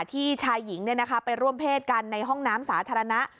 ที่ชายหญิงไปร่วมเพศกันในห้องน้ำสาธารณะ